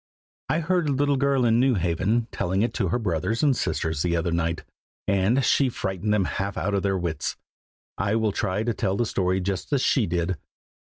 I heard a little girl in New Haven, telling it to her brothers and sisters the other night, and she frightened them half out of their wits. I will try to tell the story just as she did.